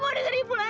dia dengerin ibu dulu